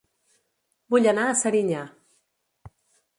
Vull anar a Serinyà